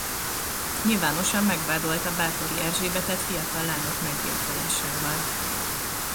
Nyilvánosan megvádolta Báthori Erzsébetet fiatal lányok meggyilkolásával.